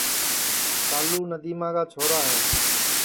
کالو ندیما کا چھورا ہے